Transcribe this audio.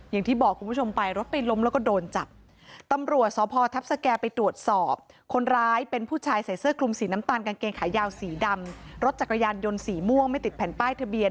อย่างที่บอกคุณผู้ชมไปรถไปล้มแล้วก็โดนจับ